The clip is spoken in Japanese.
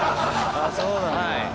ああそうなんだ。